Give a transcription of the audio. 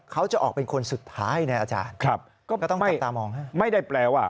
เขาจะออกเป็นคนสุดท้ายเนี่ยอาจารย์ก็ต้องกลับตามองครับ